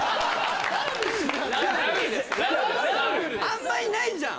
あんまいないじゃん